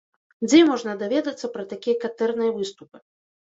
Дзе можна даведацца пра такія катэрныя выступы.